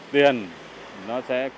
tiền nó sẽ kết nối với các tài khoản ngân hàng